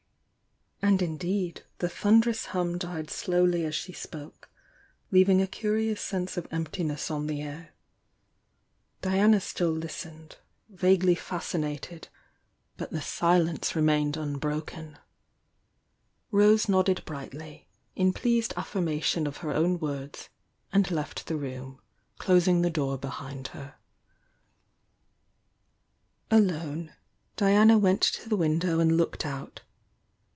And indeed the thunderous hum died slowly away as she spoke, leaving a curious sense of emptiness on the air. Diana still listened, vaguely fascinated, THE YOUNG DIANA 127 — but the silence remained unbroken. Rosf nodded brightly, in pleased affirmation of her vvn words, and left the room, closing the door btiiind her. Alone, Diana went to the window ana if )ked out.